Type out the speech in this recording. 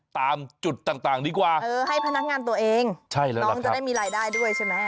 ตามจุดต่างดีกว่าเออให้พนักงานตัวเองใช่แล้วน้องจะได้มีรายได้ด้วยใช่ไหม